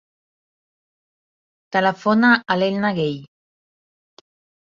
Telefona a l'Elna Gaye.